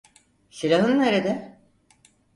Silahın nerede?